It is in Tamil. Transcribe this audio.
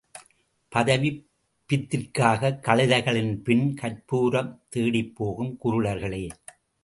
பதவிப் பித்திற்காகக் கழுதைகளின்பின் கற்பூரந் தேடிப்போகும் குருடர்களே!